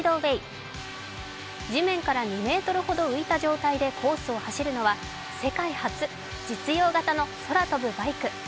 地面から２ｍほど浮いた状態でコースを走るのは世界初、実用型の空飛ぶバイク。